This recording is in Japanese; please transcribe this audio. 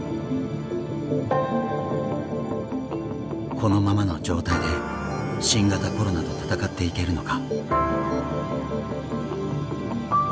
このままの状態で新型コロナと闘っていけるのか。